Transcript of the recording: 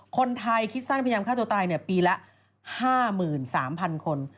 คนไทยคิดสั้นพยายามฆ่าตัวตายปีละ๕๓๐๐๐คน